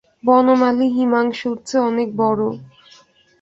বনমালী হিমাংশুর চেয়ে অনেক বড়ো।